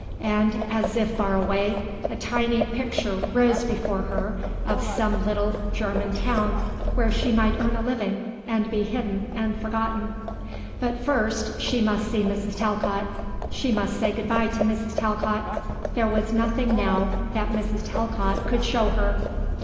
And, as if far away, a tiny picture rose before her of some little German town, where she might earn a living and be hidden and forgotten. But first she must see Mrs. Talcott. She must say good bye to Mrs. Talcott. There was nothing now that Mrs. Talcott could show her.